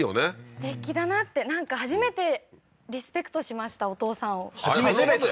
すてきだなってなんか初めてリスペクトしましたお父さんを初めて？